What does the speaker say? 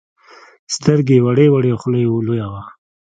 سترگې يې وړې وړې او خوله يې لويه وه.